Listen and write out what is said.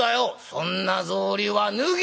「そんな草履は脱げ！